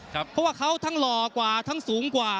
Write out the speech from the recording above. เพราะว่าเขาทั้งหล่อกว่าทั้งสูงกว่า